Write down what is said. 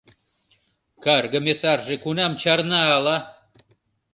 Каргыме сарже кунам чарна, ала?